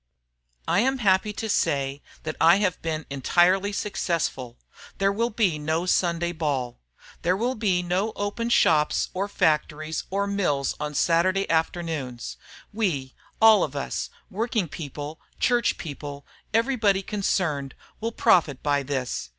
"I am happy to say that I have been entirely successful. There will be no Sunday ball. There will be no open shops or factories or mills on Saturday afternoons. We, all of us, working people, church people, everybody concerned, will profit by this.